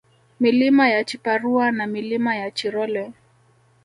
Milima ya Chiparua na Milima ya Chirolwe